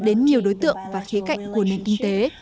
đến nhiều đối tượng và khía cạnh của nền kinh tế